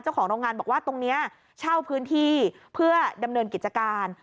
โรงงานบอกว่าตรงนี้เช่าพื้นที่เพื่อดำเนินกิจการ